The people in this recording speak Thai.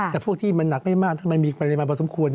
แต่พวกที่มันหนักไม่มากทำไมมีปริมาณพอสมควร